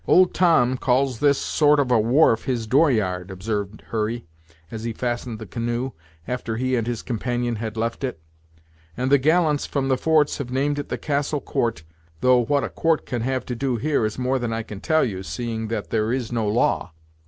"Old Tom calls this sort of a wharf his door yard," observed Hurry, as he fastened the canoe, after he and his Companion had left it: "and the gallants from the forts have named it the castle court though what a 'court' can have to do here is more than I can tell you, seeing that there is no law.